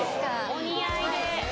お似合いで。